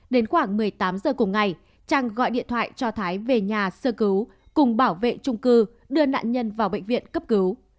đến khoảng một mươi tám h cùng ngày trang gọi điện thoại cho thái về nhà sơ cứu cùng bảo vệ trung cư đưa nạn nhân vào bệnh viện cấp cứu